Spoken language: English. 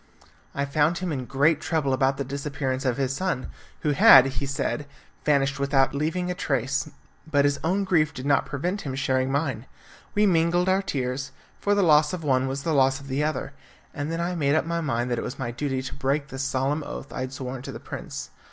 I found him in great trouble about the disappearance of his son, who had, he said, vanished without leaving a trace; but his own grief did not prevent him sharing mine. We mingled our tears, for the loss of one was the loss of the other, and then I made up my mind that it was my duty to break the solemn oath I had sworn to the prince.